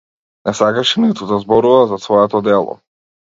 Не сакаше ниту да зборува за своето дело.